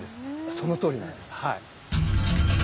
そのとおりなんです。